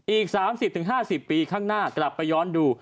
อีก๓๐๕๐ปีข้างหน้ากลับไปย้อนดู